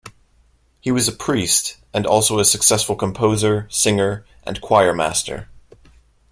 He was a priest and also a successful composer, singer and choir master.